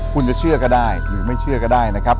คุณจะเชื่อก็ได้หรือไม่เชื่อก็ได้นะครับ